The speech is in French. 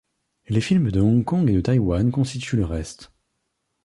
Les films de Hong Kong et de Taïwan constituent le reste.